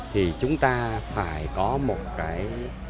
thì chúng ta phải có một cái